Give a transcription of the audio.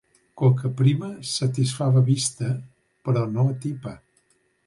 Coca prima satisfà la vista, però no atipa.